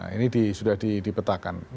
ini sudah dipetakan